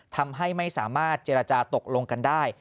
ทำให้ไม่สามารถเจรจาตกลงกันได้